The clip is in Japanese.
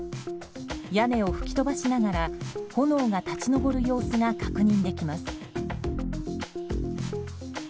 屋根を吹き飛ばしながら炎が立ち上る様子が確認できます。